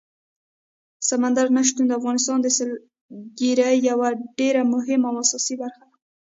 سمندر نه شتون د افغانستان د سیلګرۍ یوه ډېره مهمه او اساسي برخه ده.